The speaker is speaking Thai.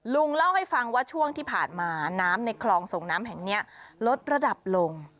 ลุงเล่าให้ฟังว่าช่วงที่ผ่านมาน้ำในคลองส่งน้ำแห่งนี้ลดระดับลง